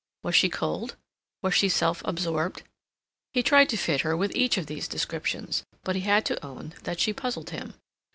Was she cold? Was she self absorbed? He tried to fit her with each of these descriptions, but he had to own that she puzzled him.